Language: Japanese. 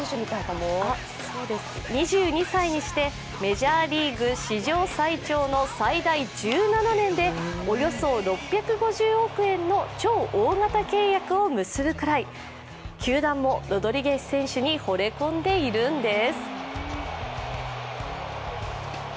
２２歳にしてメジャーリーグ史上最長の最大１７年でおよそ６５０億円の超大型契約を結ぶくらい球団もロドリゲス選手にほれ込んでいるんです。